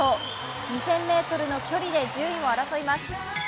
２０００ｍの距離で順位を争います。